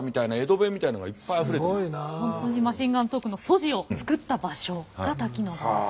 本当にマシンガントークの素地を作った場所が滝野川と。